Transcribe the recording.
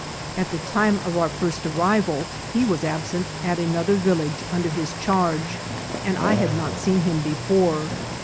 At the time of our first arrival he was absent at another village under his charge, and I had not seen him before.